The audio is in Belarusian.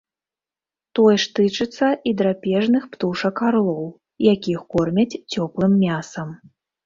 Тое ж тычыцца і драпежных птушак арлоў, якіх кормяць цёплым мясам.